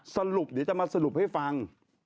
สรุปเดี๋ยวจะมาสรุปให้ฟัง